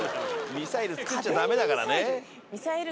ミサイル作っちゃダメだからね。